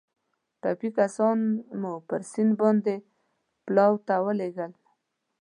ټپي کسان مو پر سیند باندې پلاوا ته ولېږدول.